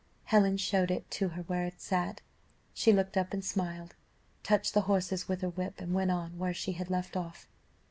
Helen showed it to her where it sat: she looked up and smiled, touched the horses with her whip, and went on where she had left off.